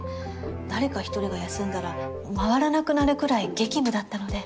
誰か１人が休んだら回らなくなるくらい激務だったので。